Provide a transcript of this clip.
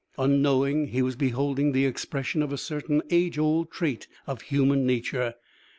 Unknowing, he was beholding the expression of a certain age old trait of human nature.